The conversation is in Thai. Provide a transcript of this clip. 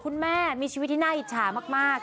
คุณแม่มีชีวิตที่น่าอิจฉามาก